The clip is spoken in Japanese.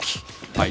はい？